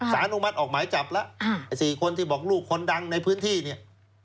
อนุมัติออกหมายจับแล้วไอ้๔คนที่บอกลูกคนดังในพื้นที่เนี่ย